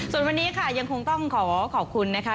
ส่วนวันนี้ค่ะยังคงต้องขอขอบคุณนะคะ